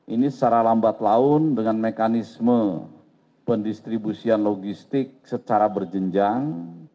ini secara lambat laun dengan mekanisme pendistribusian logistik secara berjenjang